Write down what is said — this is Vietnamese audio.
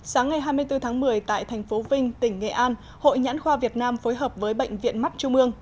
sáng ngày hai mươi bốn tháng một mươi tại thành phố vinh tỉnh nghệ an hội nhãn khoa việt nam phối hợp với bệnh viện mắt trung ương